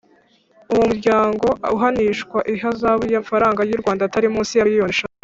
uwo muryango uhanishwa ihazabu y’amafaranga y’u rwanda atari munsi ya miliyoni eshatu